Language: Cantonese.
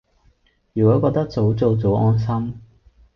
如果覺得早做早安心